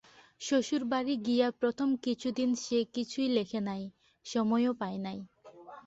শ্বশুরবাড়ি গিয়া প্রথম কিছুদিন সে কিছুই লেখে নাই, সময়ও পায় নাই।